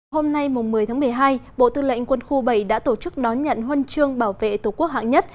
hôm nay một mươi tháng một mươi hai bộ tư lệnh quân khu bảy đã tổ chức đón nhận huân chương bảo vệ tổ quốc hạng nhất